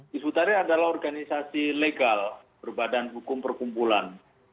hizbut tari adalah organisasi legal berbadan hukum perkumpulan